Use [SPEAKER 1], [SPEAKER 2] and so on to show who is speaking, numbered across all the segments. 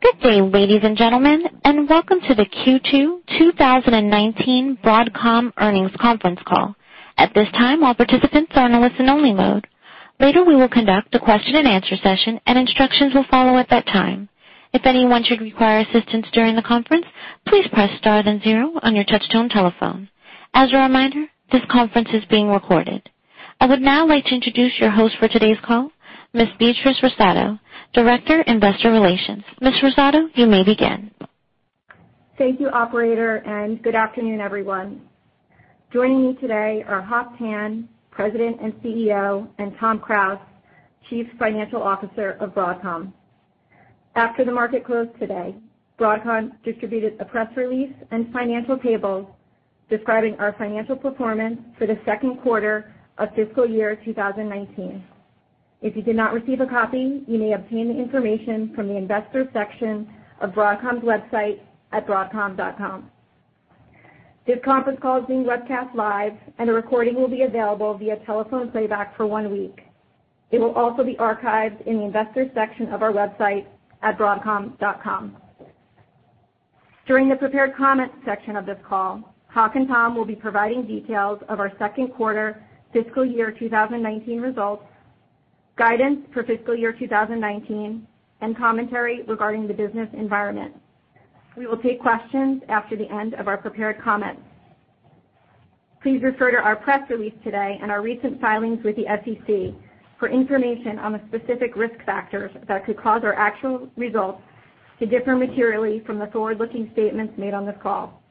[SPEAKER 1] Good day, ladies and gentlemen, welcome to the Q2 2019 Broadcom earnings conference call. At this time, all participants are in a listen-only mode. Later, we will conduct a question and answer session, instructions will follow at that time. If anyone should require assistance during the conference, please press star then zero on your touch-tone telephone. As a reminder, this conference is being recorded. I would now like to introduce your host for today's call, Ms. Beatrice Russotto, Director, Investor Relations. Ms. Russotto, you may begin.
[SPEAKER 2] Thank you, operator, good afternoon, everyone. Joining me today are Hock Tan, President and Chief Executive Officer, and Tom Krause, Chief Financial Officer of Broadcom. After the market closed today, Broadcom distributed a press release and financial tables describing our financial performance for the second quarter of fiscal year 2019. If you did not receive a copy, you may obtain the information from the investors section of Broadcom's website at broadcom.com. This conference call is being webcast live, a recording will be available via telephone playback for one week. It will also be archived in the investors section of our website at broadcom.com. During the prepared comments section of this call, Hock and Tom will be providing details of our second quarter fiscal year 2019 results, guidance for fiscal year 2019, commentary regarding the business environment. We will take questions after the end of our prepared comments. Please refer to our press release today and our recent filings with the SEC for information on the specific risk factors that could cause our actual results to differ materially from the forward-looking statements made on this call.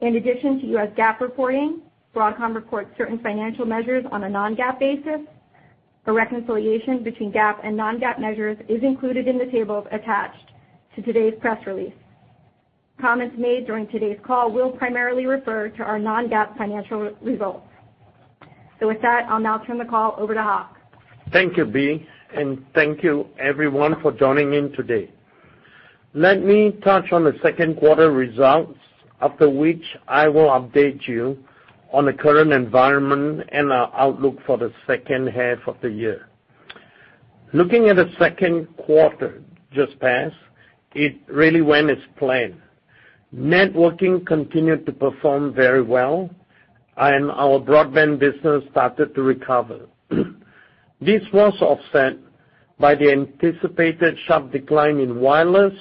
[SPEAKER 2] In addition to US GAAP reporting, Broadcom reports certain financial measures on a non-GAAP basis. A reconciliation between GAAP and non-GAAP measures is included in the tables attached to today's press release. Comments made during today's call will primarily refer to our non-GAAP financial results. With that, I'll now turn the call over to Hock.
[SPEAKER 3] Thank you, Bea, thank you everyone for joining in today. Let me touch on the second quarter results, after which I will update you on the current environment and our outlook for the second half of the year. Looking at the second quarter just passed, it really went as planned. Networking continued to perform very well, our broadband business started to recover. This was offset by the anticipated sharp decline in wireless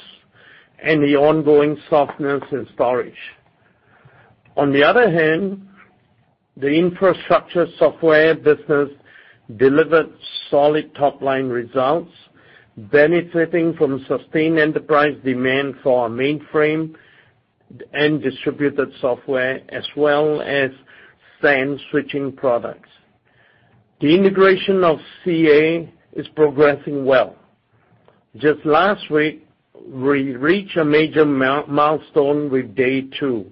[SPEAKER 3] and the ongoing softness in storage. On the other hand, the Infrastructure Software business delivered solid top-line results, benefiting from sustained enterprise demand for our mainframe and distributed software, as well as SAN switching products. The integration of CA is progressing well. Just last week, we reached a major milestone with day two,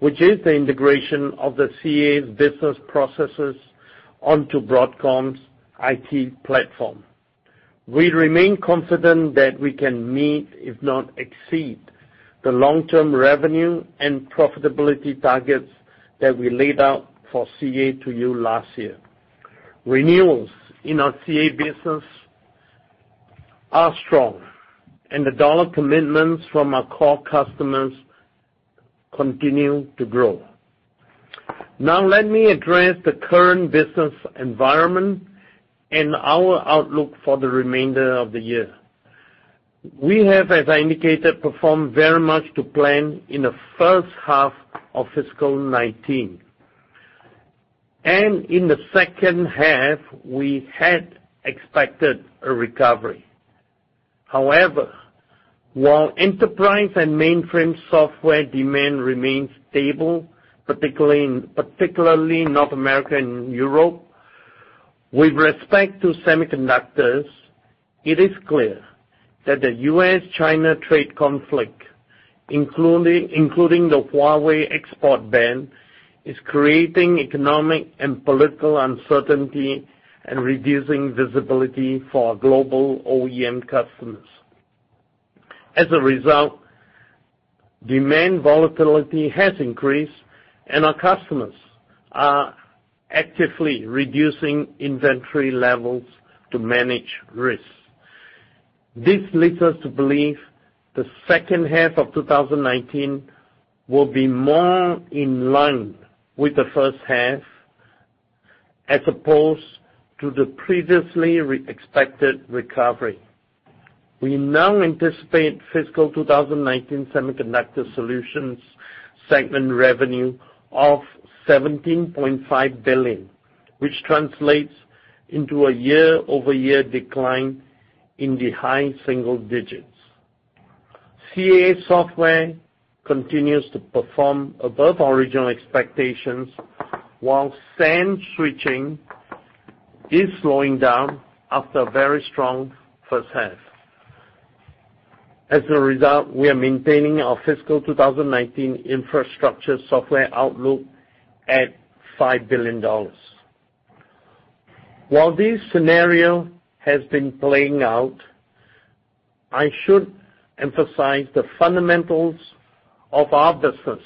[SPEAKER 3] which is the integration of the CA's business processes onto Broadcom's IT platform. We remain confident that we can meet, if not exceed, the long-term revenue and profitability targets that we laid out for CA to you last year. Renewals in our CA business are strong, and the dollar commitments from our core customers continue to grow. Now let me address the current business environment and our outlook for the remainder of the year. We have, as I indicated, performed very much to plan in the first half of fiscal 2019, and in the second half, we had expected a recovery. However, while enterprise and mainframe software demand remains stable, particularly in North America and Europe, with respect to semiconductors, it is clear that the U.S.-China trade conflict, including the Huawei export ban, is creating economic and political uncertainty and reducing visibility for our global OEM customers. Demand volatility has increased, and our customers are actively reducing inventory levels to manage risks. This leads us to believe the second half of 2019 will be more in line with the first half as opposed to the previously expected recovery. We now anticipate fiscal 2019 Semiconductor Solutions segment revenue of $17.5 billion, which translates into a year-over-year decline in the high single digits. CA software continues to perform above original expectations, while SAN switching is slowing down after a very strong first half. We are maintaining our fiscal 2019 Infrastructure Software outlook at $5 billion. While this scenario has been playing out, I should emphasize the fundamentals of our business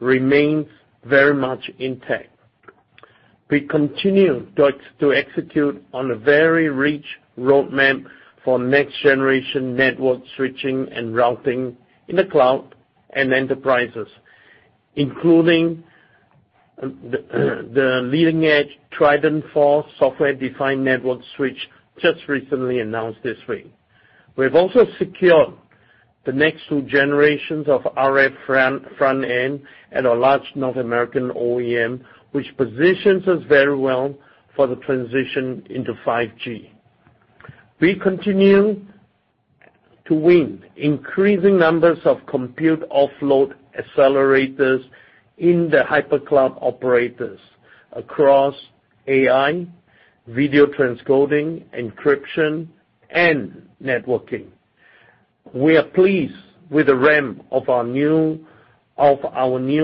[SPEAKER 3] remains very much intact. We continue to execute on a very rich roadmap for next generation network switching and routing in the cloud and enterprises, including the leading edge Trident 4 software-defined network switch just recently announced this week. We've also secured the next two generations of RF front end at a large North American OEM, which positions us very well for the transition into 5G. We continue to win increasing numbers of compute offload accelerators in the hyperscale cloud operators across AI, video transcoding, encryption, and networking. We are pleased with the ramp of our new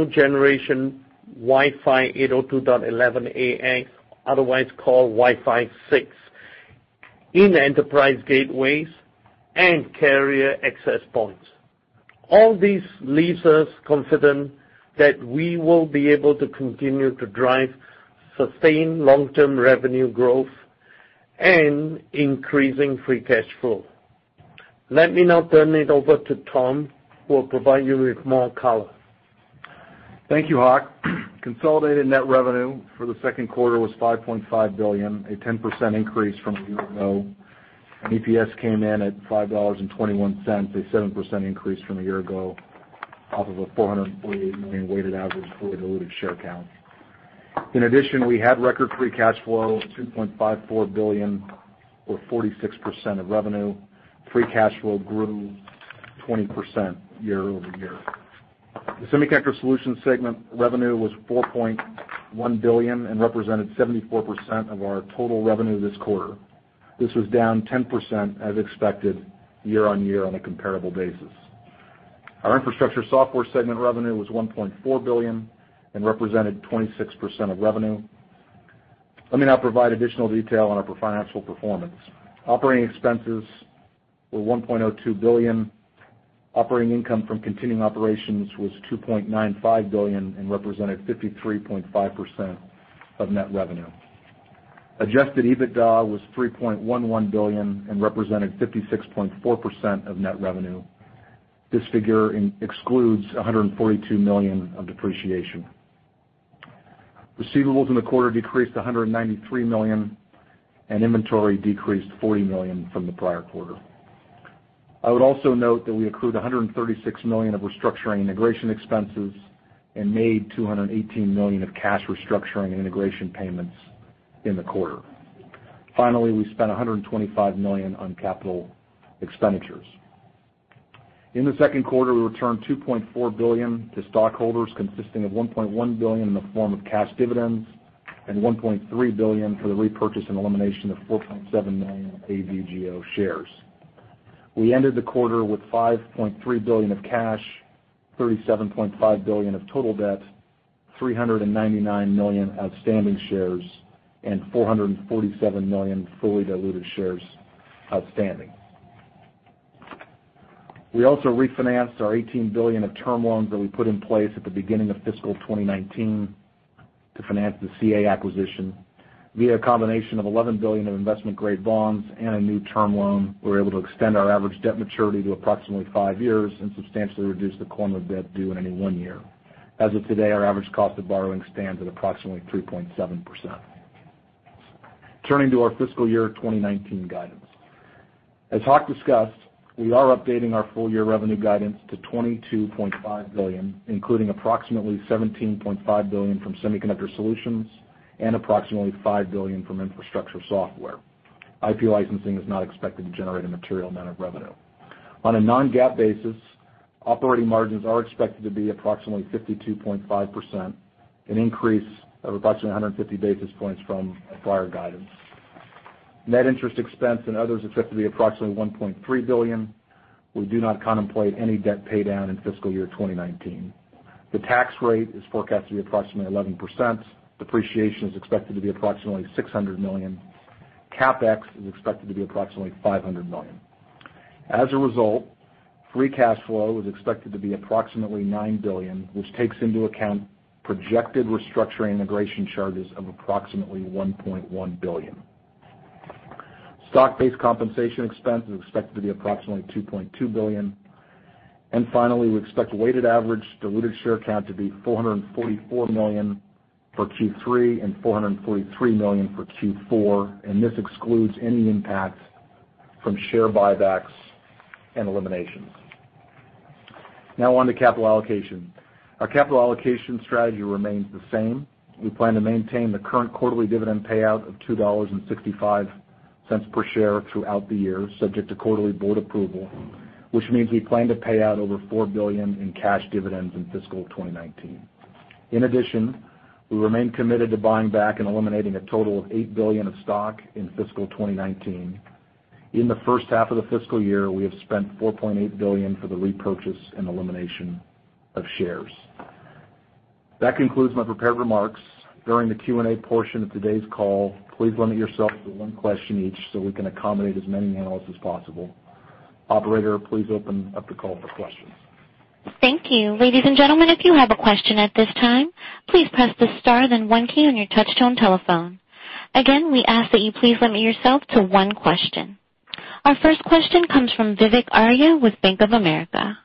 [SPEAKER 3] generation Wi-Fi 802.11ax, otherwise called Wi-Fi 6, in enterprise gateways and carrier access points. All this leaves us confident that we will be able to continue to drive sustained long-term revenue growth and increasing free cash flow. Let me now turn it over to Tom, who will provide you with more color.
[SPEAKER 4] Thank you, Hock. Consolidated net revenue for the second quarter was $5.5 billion, a 10% increase from a year ago, and EPS came in at $5.21, a 7% increase from a year ago off of a 448 million weighted average fully diluted share count. In addition, we had record free cash flow of $2.54 billion, or 46% of revenue. Free cash flow grew 20% year-over-year. The Semiconductor Solutions segment revenue was $4.1 billion and represented 74% of our total revenue this quarter. This was down 10% as expected year-on-year on a comparable basis. Our Infrastructure Software segment revenue was $1.4 billion and represented 26% of revenue. Let me now provide additional detail on our financial performance. Operating expenses were $1.02 billion. Operating income from continuing operations was $2.95 billion and represented 53.5% of net revenue. Adjusted EBITDA was $3.11 billion and represented 56.4% of net revenue. This figure excludes $142 million of depreciation. Receivables in the quarter decreased to $193 million, and inventory decreased $40 million from the prior quarter. I would also note that we accrued $136 million of restructuring integration expenses and made $218 million of cash restructuring and integration payments in the quarter. Finally, we spent $125 million on capital expenditures. In the second quarter, we returned $2.4 billion to stockholders, consisting of $1.1 billion in the form of cash dividends and $1.3 billion for the repurchase and elimination of 4.7 million AVGO shares. We ended the quarter with $5.3 billion of cash, $37.5 billion of total debt, 399 million outstanding shares, and 447 million fully diluted shares outstanding. We also refinanced our $18 billion of term loans that we put in place at the beginning of fiscal 2019 to finance the CA acquisition. Via a combination of $11 billion of investment-grade bonds and a new term loan, we were able to extend our average debt maturity to approximately five years and substantially reduce the corner debt due in any one year. As of today, our average cost of borrowing stands at approximately 3.7%. Turning to our fiscal year 2019 guidance. As Hock discussed, we are updating our full-year revenue guidance to $22.5 billion, including approximately $17.5 billion from Semiconductor Solutions and approximately $5 billion from Infrastructure Software. IP licensing is not expected to generate a material amount of revenue. On a non-GAAP basis, operating margins are expected to be approximately 52.5%, an increase of approximately 150 basis points from prior guidance. Net interest expense and others is expected to be approximately $1.3 billion. We do not contemplate any debt paydown in fiscal year 2019. The tax rate is forecast to be approximately 11%. Depreciation is expected to be approximately $600 million. CapEx is expected to be approximately $500 million. As a result, free cash flow is expected to be approximately $9 billion, which takes into account projected restructuring integration charges of approximately $1.1 billion. Stock-based compensation expense is expected to be approximately $2.2 billion. Finally, we expect a weighted average diluted share count to be 444 million for Q3 and 443 million for Q4, and this excludes any impact from share buybacks and eliminations. Now on to capital allocation. Our capital allocation strategy remains the same. We plan to maintain the current quarterly dividend payout of $2.65 per share throughout the year, subject to quarterly board approval, which means we plan to pay out over $4 billion in cash dividends in fiscal 2019. In addition, we remain committed to buying back and eliminating a total of $8 billion of stock in fiscal 2019. In the first half of the fiscal year, we have spent $4.8 billion for the repurchase and elimination of shares. That concludes my prepared remarks. During the Q&A portion of today's call, please limit yourself to one question each so we can accommodate as many analysts as possible. Operator, please open up the call for questions.
[SPEAKER 1] Thank you. Ladies and gentlemen, if you have a question at this time, please press the star, then one key on your touch-tone telephone. Again, we ask that you please limit yourself to one question. Our first question comes from Vivek Arya with Bank of America.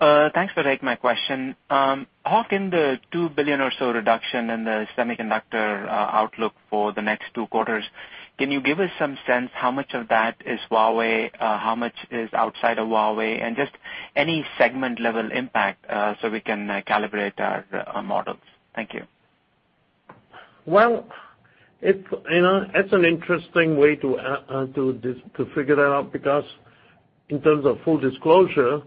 [SPEAKER 5] Thanks for taking my question. Hock, in the $2 billion or so reduction in the semiconductor outlook for the next two quarters, can you give us some sense how much of that is Huawei? How much is outside of Huawei? Just any segment-level impact, so we can calibrate our models. Thank you.
[SPEAKER 3] Well, it's an interesting way to figure that out because in terms of full disclosure,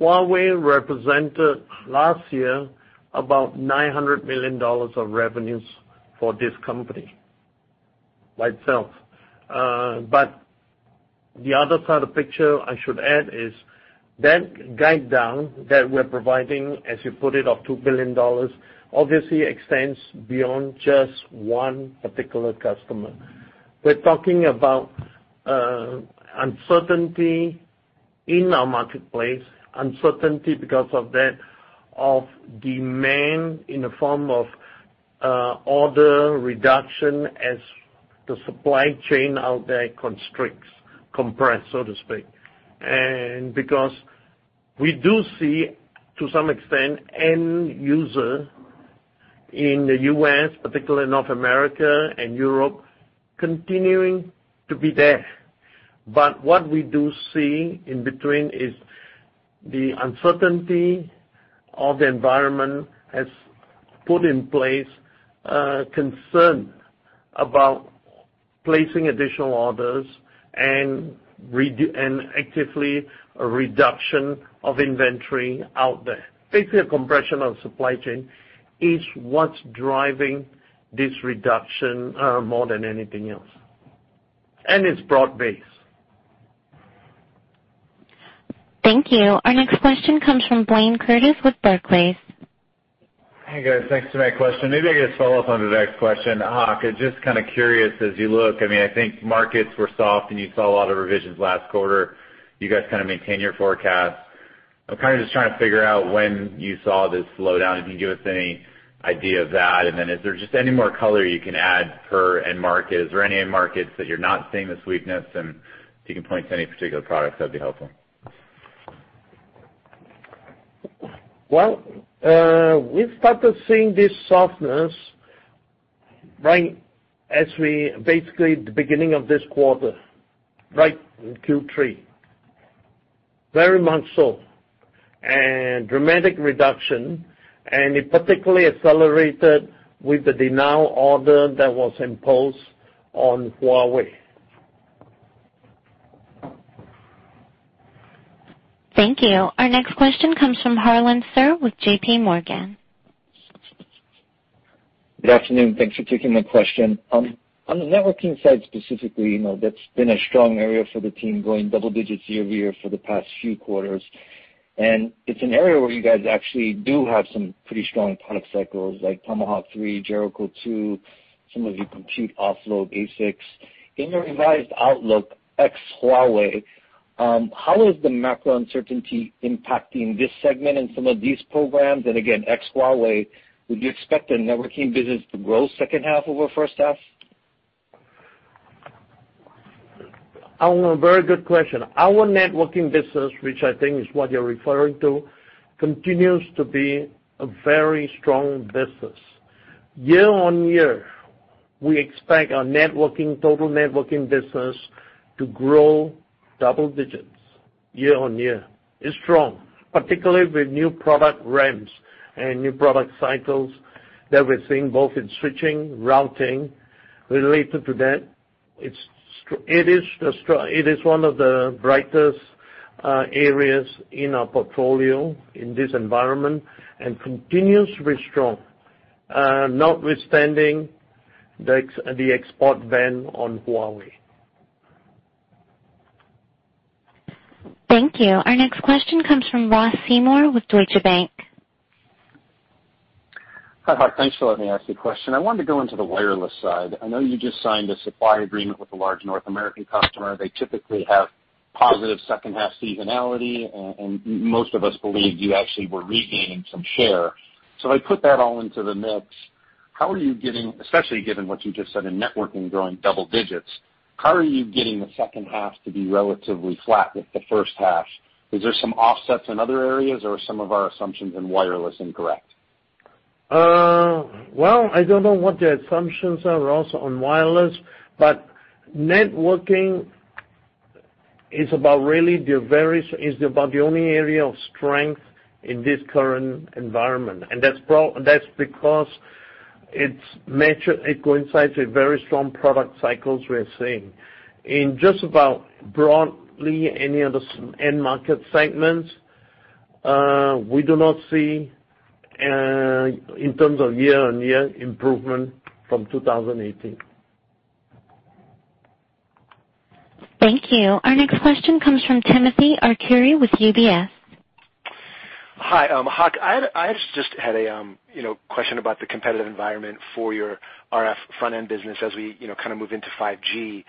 [SPEAKER 3] Huawei represented last year about $900 million of revenues for this company by itself. The other side of picture I should add is that guide down that we're providing, as you put it, of $2 billion, obviously extends beyond just one particular customer. We're talking about uncertainty in our marketplace, uncertainty because of that, of demand in the form of order reduction as the supply chain out there constricts, compress, so to speak. Because we do see, to some extent, end user in the U.S., particularly North America and Europe, continuing to be there. What we do see in between is the uncertainty of the environment has put in place a concern about placing additional orders and actively a reduction of inventory out there. Basically, a compression of supply chain is what's driving this reduction more than anything else. It's broad-based.
[SPEAKER 1] Thank you. Our next question comes from Blayne Curtis with Barclays.
[SPEAKER 6] Hey, guys. Thanks for taking my question. Maybe I could just follow up on Vivek's question. Hock, I'm just kind of curious as you look, I mean, I think markets were soft and you saw a lot of revisions last quarter. You guys kind of maintained your forecast. I'm kind of just trying to figure out when you saw this slowdown. Can you give us any idea of that? Then is there just any more color you can add per end market? Is there any end markets that you're not seeing this weakness? If you can point to any particular products, that'd be helpful.
[SPEAKER 3] Well, we started seeing this softness right as basically the beginning of this quarter, right in Q3. Very much so. Dramatic reduction, and it particularly accelerated with the denial order that was imposed on Huawei.
[SPEAKER 1] Thank you. Our next question comes from Harlan Sur with J.P. Morgan.
[SPEAKER 7] Good afternoon, thanks for taking my question. On the networking side specifically, that's been a strong area for the team, growing double digits year-over-year for the past few quarters. It's an area where you guys actually do have some pretty strong product cycles like Tomahawk 3, Jericho 2, some of your compute offload ASICs. In your revised outlook, ex Huawei, how is the macro uncertainty impacting this segment and some of these programs? Again, ex Huawei, would you expect the networking business to grow second half over first half?
[SPEAKER 3] Harlan, very good question. Our networking business, which I think is what you're referring to, continues to be a very strong business. Year-on-year, we expect our total networking business to grow double digits year-on-year. It's strong, particularly with new product ramps and new product cycles that we're seeing both in switching, routing related to that. It is one of the brightest areas in our portfolio in this environment and continues to be strong, notwithstanding the export ban on Huawei.
[SPEAKER 1] Thank you. Our next question comes from Ross Seymore with Deutsche Bank.
[SPEAKER 8] Hi, Hock. Thanks for letting me ask you a question. I wanted to go into the wireless side. I know you just signed a supply agreement with a large North American customer. They typically have positive second half seasonality, and most of us believed you actually were regaining some share. I put that all into the mix. How are you getting, especially given what you just said in networking growing double digits, how are you getting the second half to be relatively flat with the first half? Is there some offsets in other areas or are some of our assumptions in wireless incorrect?
[SPEAKER 3] Well, I don't know what the assumptions are, Ross, on wireless, networking is about the only area of strength in this current environment. That's because it coincides with very strong product cycles we're seeing. In just about broadly any of the end market segments, we do not see in terms of year-on-year improvement from 2018.
[SPEAKER 1] Thank you. Our next question comes from Timothy Arcuri with UBS.
[SPEAKER 9] Hi. Hock, I just had a question about the competitive environment for your RF front-end business as we move into 5G,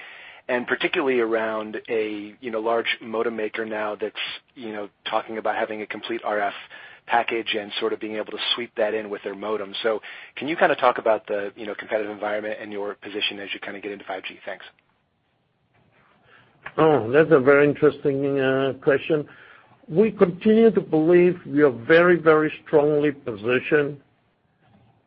[SPEAKER 9] and particularly around a large modem maker now that's talking about having a complete RF package and sort of being able to sweep that in with their modem. Can you kind of talk about the competitive environment and your position as you get into 5G? Thanks.
[SPEAKER 3] Oh, that's a very interesting question. We continue to believe we are very, very strongly positioned,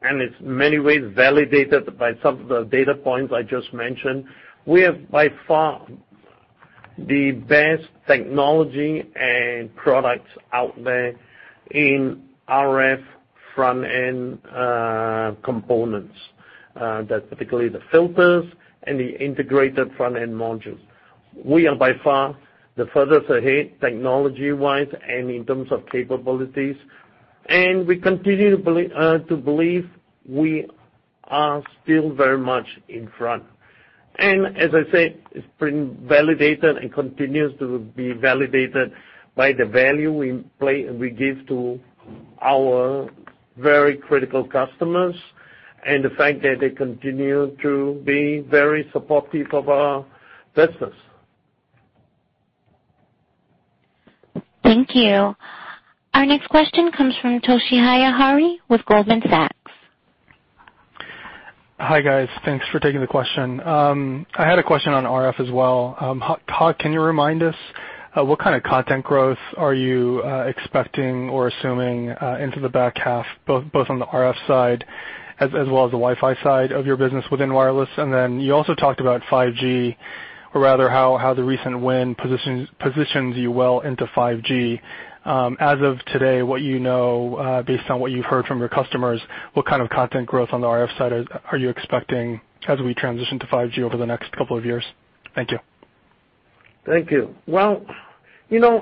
[SPEAKER 3] and it's in many ways validated by some of the data points I just mentioned. We have by far the best technology and products out there in RF front end components, that's particularly the filters and the integrated front-end modules. We are by far the furthest ahead technology-wise and in terms of capabilities, we continue to believe we are still very much in front. As I said, it's been validated and continues to be validated by the value we give to our very critical customers and the fact that they continue to be very supportive of our business.
[SPEAKER 1] Thank you. Our next question comes from Toshiya Hari with Goldman Sachs.
[SPEAKER 10] Hi, guys. Thanks for taking the question. I had a question on RF as well. Hock, can you remind us what kind of content growth are you expecting or assuming into the back half, both on the RF side as well as the Wi-Fi side of your business within wireless? You also talked about 5G, or rather how the recent win positions you well into 5G. As of today, what you know, based on what you've heard from your customers, what kind of content growth on the RF side are you expecting as we transition to 5G over the next couple of years? Thank you.
[SPEAKER 3] Thank you. Well,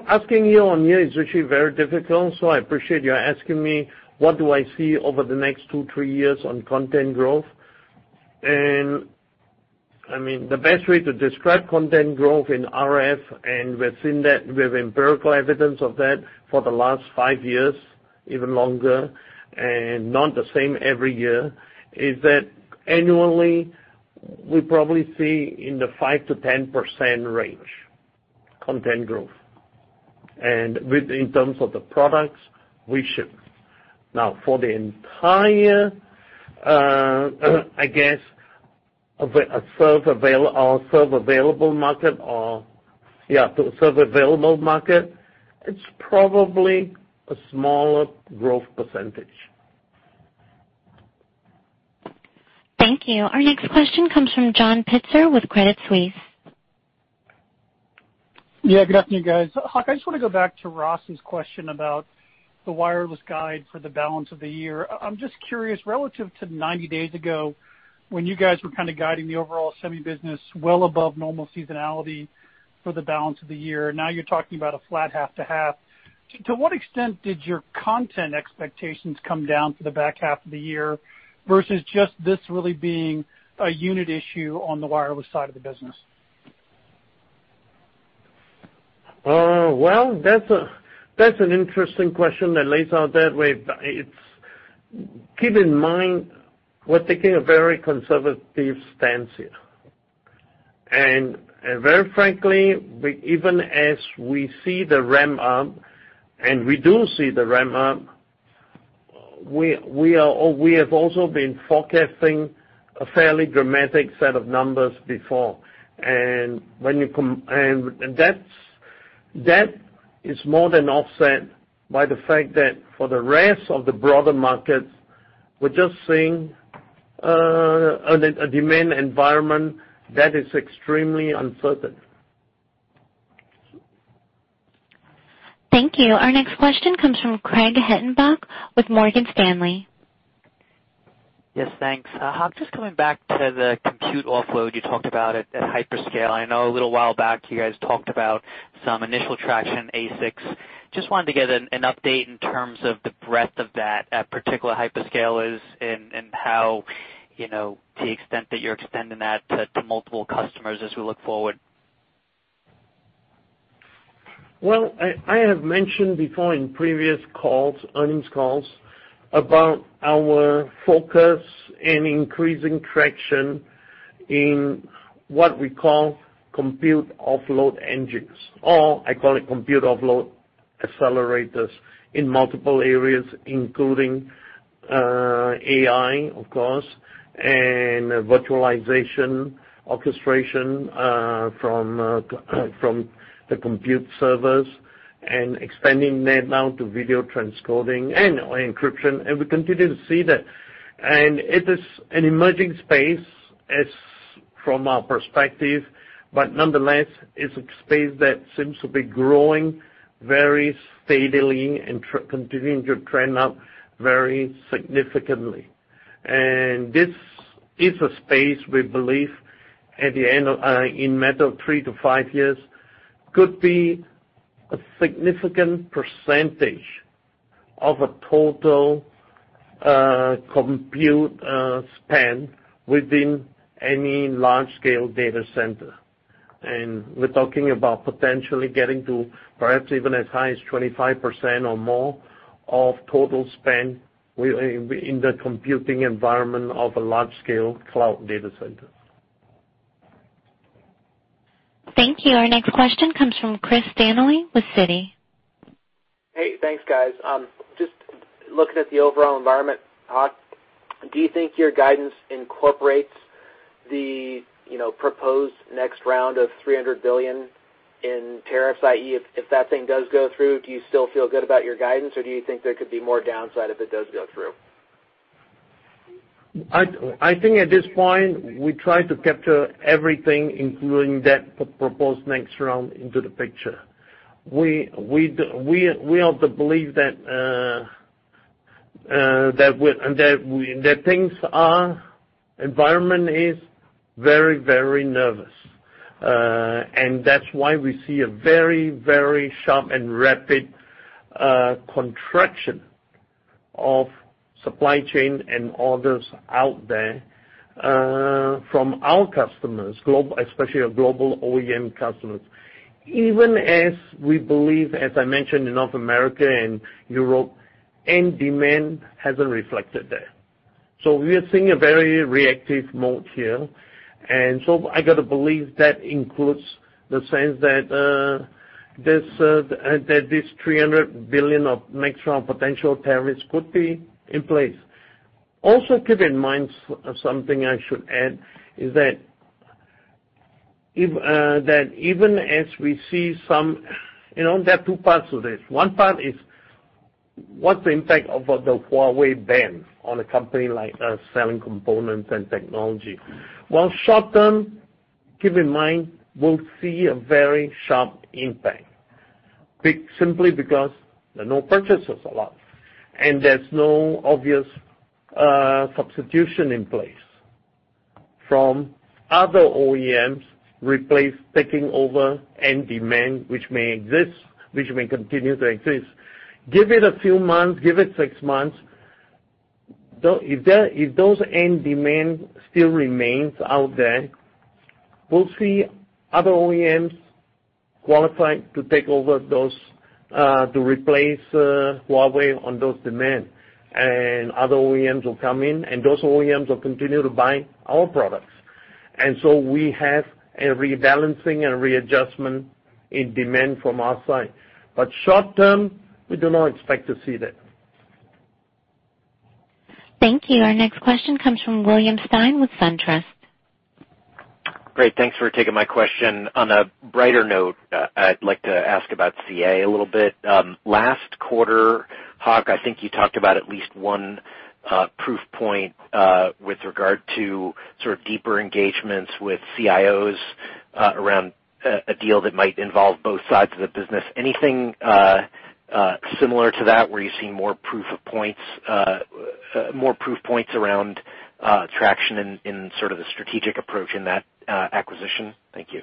[SPEAKER 3] asking year-on-year is actually very difficult, so I appreciate you asking me what do I see over the next two, three years on content growth. The best way to describe content growth in RF, and we've seen that, we have empirical evidence of that for the last five years, even longer, and not the same every year, is that annually, we probably see in the 5%-10% range content growth. In terms of the products we ship. Now, for the entire, I guess, served available market, it's probably a smaller growth percentage.
[SPEAKER 1] Thank you. Our next question comes from John Pitzer with Credit Suisse.
[SPEAKER 11] Yeah, good afternoon, guys. Hock, I just want to go back to Ross Seymore's question about the wireless guide for the balance of the year. I'm just curious, relative to 90 days ago, when you guys were kind of guiding the overall semi business well above normal seasonality for the balance of the year, now you're talking about a flat half to half. To what extent did your content expectations come down for the back half of the year versus just this really being a unit issue on the wireless side of the business?
[SPEAKER 3] Well, that's an interesting question that lays out that way. Keep in mind, we're taking a very conservative stance here. Very frankly, even as we see the ramp up, and we do see the ramp up, we have also been forecasting a fairly dramatic set of numbers before. That is more than offset by the fact that for the rest of the broader markets, we're just seeing a demand environment that is extremely uncertain.
[SPEAKER 1] Thank you. Our next question comes from Craig Hettenbach with Morgan Stanley.
[SPEAKER 12] Yes, thanks. Hock, just coming back to the compute offload you talked about at Hyperscale. I know a little while back you guys talked about some initial traction in ASICs. Just wanted to get an update in terms of the breadth of that at particular Hyperscalers and how, the extent that you're extending that to multiple customers as we look forward.
[SPEAKER 3] Well, I have mentioned before in previous calls, earnings calls, about our focus in increasing traction in what we call compute offload engines, or I call it compute offload accelerators in multiple areas, including AI, of course, and virtualization, orchestration from the compute servers and expanding that now to video transcoding and/or encryption, and we continue to see that. It is an emerging space from our perspective, but nonetheless, it's a space that seems to be growing very steadily and continuing to trend up very significantly. This is a space we believe at the end of in a matter of three to five years, could be a significant percentage of a total compute spend within any large-scale data center. We're talking about potentially getting to perhaps even as high as 25% or more of total spend in the computing environment of a large-scale cloud data center.
[SPEAKER 1] Thank you. Our next question comes from Chris Danely with Citi.
[SPEAKER 13] Hey, thanks guys. Just looking at the overall environment, Hock, do you think your guidance incorporates the proposed next round of $300 billion in tariffs, i.e., if that thing does go through, do you still feel good about your guidance, or do you think there could be more downside if it does go through?
[SPEAKER 3] I think at this point, we try to capture everything, including that proposed next round into the picture. We are to believe that environment is very, very nervous. That's why we see a very, very sharp and rapid contraction of supply chain and orders out there from our customers, especially our global OEM customers. Even as we believe, as I mentioned, in North America and Europe, end demand hasn't reflected that. We are seeing a very reactive mode here. I got to believe that includes the sense that this $300 billion of next round potential tariffs could be in place. Also keep in mind, something I should add, is that even as we see There are two parts to this. One part is what's the impact of the Huawei ban on a company like us selling components and technology. While short term, keep in mind, we'll see a very sharp impact. Simply because there are no purchases allowed, and there's no obvious substitution in place from other OEMs taking over end demand, which may continue to exist. Give it a few months, give it 6 months. If those end demand still remains out there, we'll see other OEMs qualified to take over those, to replace Huawei on those demand. Other OEMs will come in, and those OEMs will continue to buy our products. We have a rebalancing and readjustment in demand from our side. Short term, we do not expect to see that.
[SPEAKER 1] Thank you. Our next question comes from William Stein with SunTrust.
[SPEAKER 14] Great. Thanks for taking my question. On a brighter note, I'd like to ask about CA a little bit. Last quarter, Hock, I think you talked about at least one proof point with regard to sort of deeper engagements with CIOs around a deal that might involve both sides of the business. Anything similar to that, where you're seeing more proof points around traction in sort of the strategic approach in that acquisition? Thank you.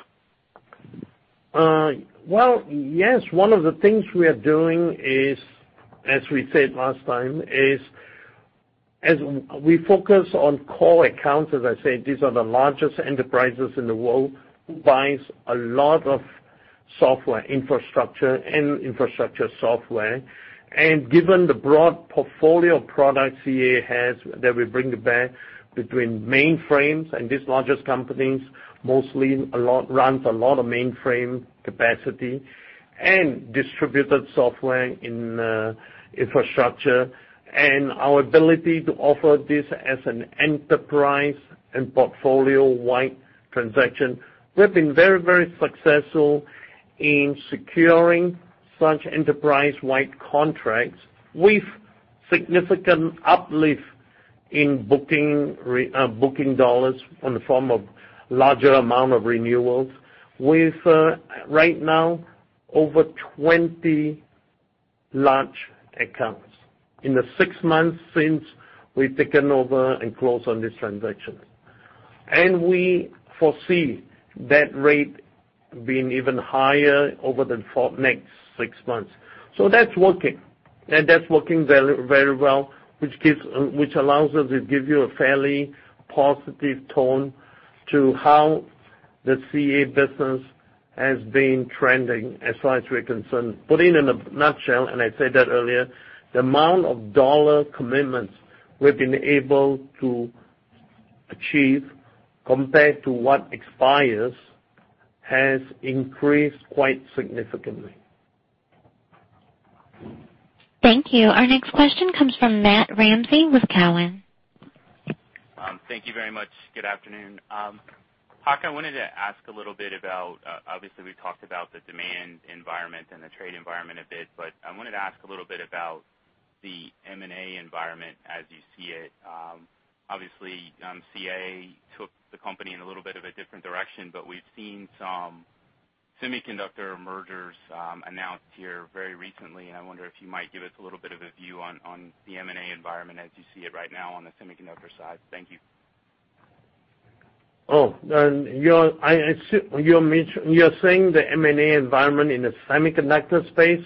[SPEAKER 3] Well, yes. One of the things we are doing is, as we said last time, is as we focus on core accounts, as I said, these are the largest enterprises in the world who buys a lot of software infrastructure and Infrastructure Software. Given the broad portfolio of products CA has, that we bring back between mainframes and these largest companies, mostly runs a lot of mainframe capacity and distributed software in infrastructure. Our ability to offer this as an enterprise and portfolio-wide transaction. We've been very, very successful in securing such enterprise-wide contracts with significant uplift in booking dollars on the form of larger amount of renewals, with right now over 20 large accounts in the six months since we've taken over and closed on this transaction. We foresee that rate being even higher over the next six months. That's working, and that's working very well, which allows us to give you a fairly positive tone to how the CA business has been trending as far as we're concerned. Put it in a nutshell, and I said that earlier, the amount of dollar commitments we've been able to achieve compared to what expires has increased quite significantly.
[SPEAKER 1] Thank you. Our next question comes from Matthew Ramsay with Cowen.
[SPEAKER 15] Thank you very much. Good afternoon. Hock, I wanted to ask a little bit about, obviously we've talked about the demand environment and the trade environment a bit. I wanted to ask a little bit about the M&A environment as you see it. Obviously, CA took the company in a little bit of a different direction. We've seen some semiconductor mergers announced here very recently. I wonder if you might give us a little bit of a view on the M&A environment as you see it right now on the semiconductor side. Thank you.
[SPEAKER 3] Oh, you're saying the M&A environment in the semiconductor space?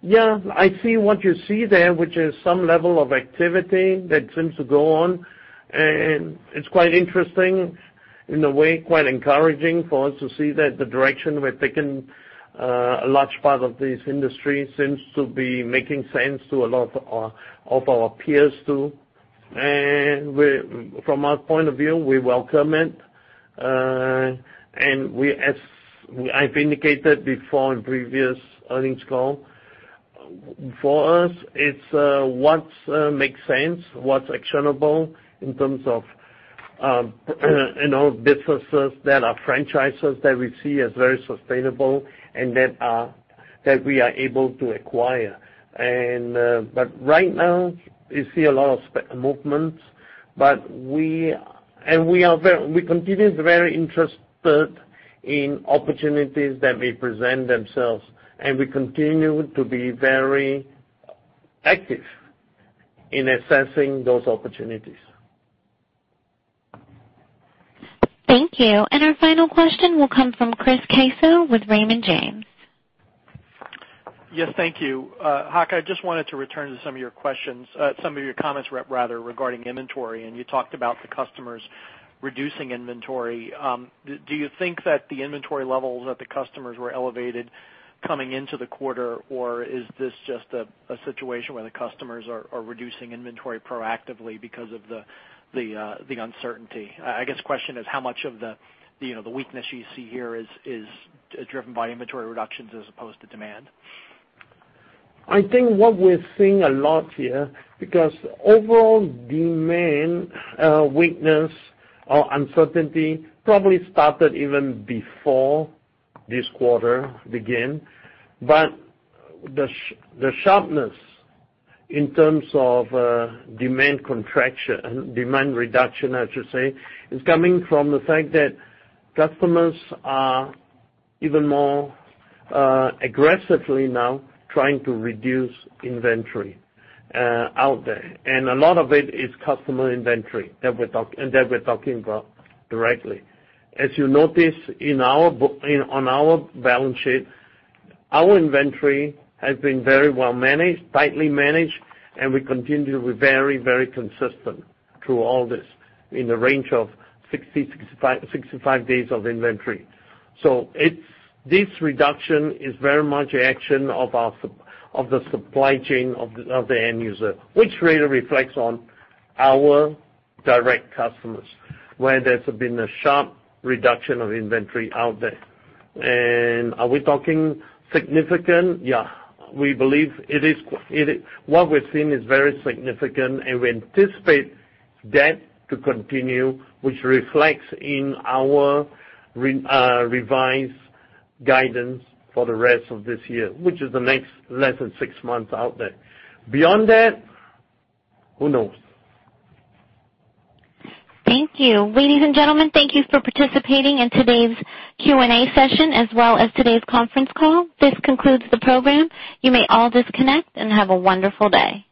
[SPEAKER 3] Yeah, I see what you see there, which is some level of activity that seems to go on, and it's quite interesting, in a way, quite encouraging for us to see that the direction we've taken a large part of this industry seems to be making sense to a lot of our peers, too. From our point of view, we welcome it. As I've indicated before in previous earnings call, for us, it's what makes sense, what's actionable in terms of businesses that are franchises that we see as very sustainable and that we are able to acquire. Right now, we see a lot of movements. We continue to be very interested in opportunities that may present themselves, and we continue to be very active in assessing those opportunities.
[SPEAKER 1] Thank you. Our final question will come from Chris Caso with Raymond James.
[SPEAKER 16] Yes, thank you. Hock, I just wanted to return to some of your questions, some of your comments rather regarding inventory. You talked about the customers reducing inventory. Do you think that the inventory levels at the customers were elevated coming into the quarter, or is this just a situation where the customers are reducing inventory proactively because of the uncertainty? I guess the question is how much of the weakness you see here is driven by inventory reductions as opposed to demand.
[SPEAKER 3] I think what we're seeing a lot here, because overall demand weakness or uncertainty probably started even before this quarter began. The sharpness in terms of demand reduction is coming from the fact that customers are even more aggressively now trying to reduce inventory out there. A lot of it is customer inventory that we're talking about directly. As you notice on our balance sheet, our inventory has been very well-managed, tightly managed, and we continue to be very consistent through all this in the range of 60, 65 days of inventory. This reduction is very much action of the supply chain of the end user, which really reflects on our direct customers, where there's been a sharp reduction of inventory out there. Are we talking significant? Yeah. We believe what we're seeing is very significant, and we anticipate that to continue, which reflects in our revised guidance for the rest of this year, which is the next less than six months out there. Beyond that, who knows?
[SPEAKER 1] Thank you. Ladies and gentlemen, thank you for participating in today's Q&A session, as well as today's conference call. This concludes the program. You may all disconnect, and have a wonderful day.